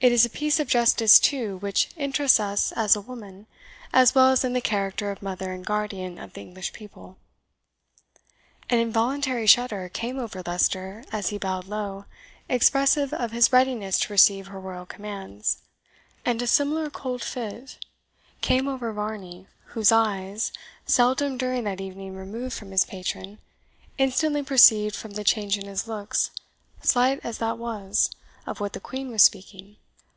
It is a piece of justice, too, which interests us as a woman, as well as in the character of mother and guardian of the English people." An involuntary shudder came over Leicester as he bowed low, expressive of his readiness to receive her royal commands; and a similar cold fit came over Varney, whose eyes (seldom during that evening removed from his patron) instantly perceived from the change in his looks, slight as that was, of what the Queen was speaking.